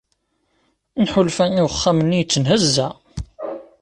Nḥulfa i wexxam-nni yettenhezza.